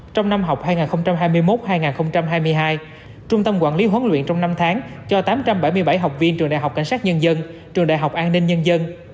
trong năm học hai nghìn hai mươi một hai nghìn hai mươi hai trung tâm quản lý huấn luyện trong năm tháng cho tám trăm bảy mươi bảy học viên trường đại học cảnh sát nhân dân trường đại học an ninh nhân dân